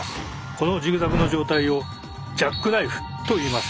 このジグザグの状態を「ジャックナイフ」といいます。